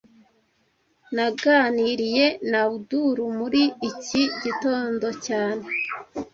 Naganiriye na Abdul muri iki gitondo cyane